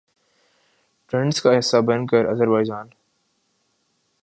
trends کا حصہ بن کر آذربائیجان